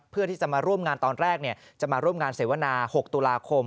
เพื่อที่จะมาร่วมงานตอนแรกจะมาร่วมงานเสวนา๖ตุลาคม